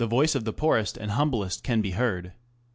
657 voice of the poorest and humblest can be heard.